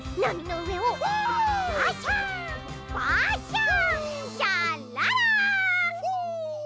うん。